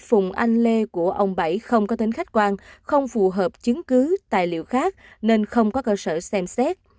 phùng anh lê của ông bảy không có tính khách quan không phù hợp chứng cứ tài liệu khác nên không có cơ sở xem xét